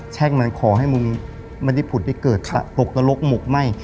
แช่งมันขอให้มึงมันได้ผุดให้เกิดตกตะโรคหมกไหม้